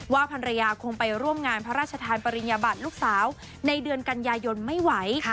ภรรยาคงไปร่วมงานพระราชทานปริญญาบัติลูกสาวในเดือนกันยายนไม่ไหว